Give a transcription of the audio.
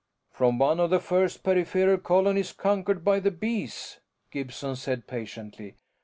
"From one of the first peripheral colonies conquered by the Bees," Gibson said patiently.